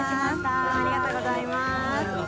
ありがとうございます。